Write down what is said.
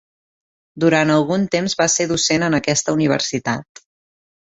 Durant algun temps va ser docent en aquesta Universitat.